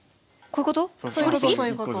こういうこと？